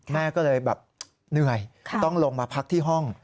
แม่ก็เลยแบบเหนื่อยต้องลงมาพักที่ห้อง